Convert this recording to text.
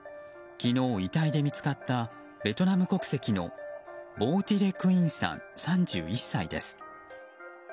昨日、遺体で見つかったベトナム国籍のヴォ・ティ・レ・クインさん３１歳です。